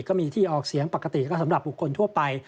ก็มีที่ออกเสียงปกติก็สำหรับบุคคลทั่วไป